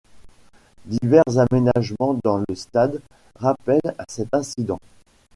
Divers aménagements dans le stade rappellent cet incident.